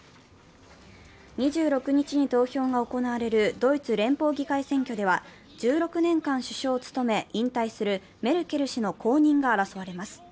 ２６日に投票が行われるドイツ連邦議会選挙では、１６年間首相を務め、引退するメルケル氏の後任が争われます。